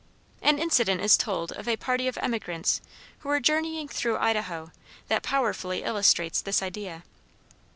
An incident is told of a party of emigrants, who were journeying through Idaho that powerfully illustrates this idea.